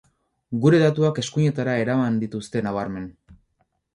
Gure datuak eskuinetara eraman dituzte nabarmen.